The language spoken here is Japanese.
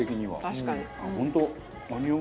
確かに。